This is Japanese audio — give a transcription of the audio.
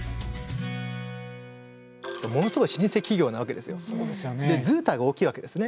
ものすごい老舗企業なわけですよ。